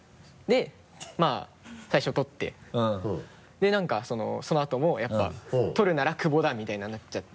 で何かそのあともやっぱり撮るなら久保だ！みたいななっちゃって。